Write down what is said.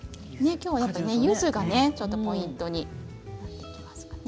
きょうはゆずがポイントになってきますかね。